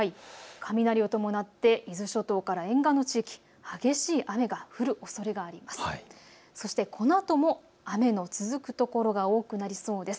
雷を伴って伊豆諸島から沿岸の地域、激しい雨が降る可能性があります。